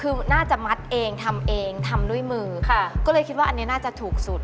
คือน่าจะมัดเองทำเองทำด้วยมือค่ะก็เลยคิดว่าอันนี้น่าจะถูกสุด